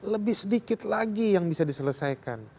lebih sedikit lagi yang bisa diselesaikan